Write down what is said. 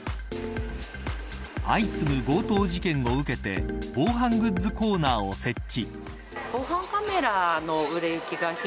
相次ぐ強盗事件を受けて防犯グッズコーナーを設置。